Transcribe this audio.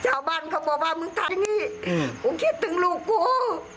ชาวบ้านเขาบอกว่ามึงทำอย่างนี้ผมคิดถึงลูกกู